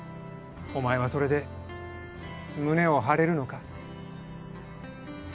お前はそれで胸を張れるのか？